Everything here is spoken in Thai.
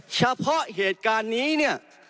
เฉพาะเหตุการณ์นี้เนี่ย